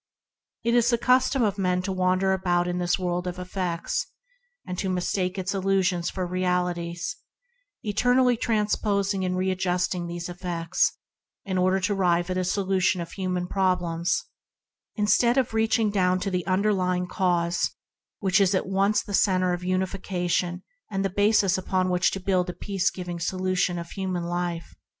It is the custom of men to wander about in this world of effects, mistaking its illusions for realities and eternally transposing and readjusting these effects in order to arrive at a solution of human problems, instead of reaching down to the underlying cause which is at once the centre of unifica tion and the basis upon which to build a peace giving solution of human life.